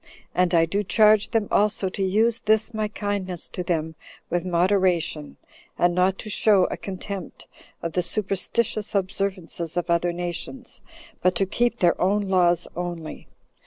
And I do charge them also to use this my kindness to them with moderation, and not to show a contempt of the superstitious observances of other nations, but to keep their own laws only.